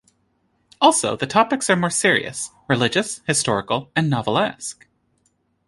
Also the topics are more serious: religious, historical and novelesque.